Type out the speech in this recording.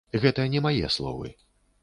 Гэта не мае словы.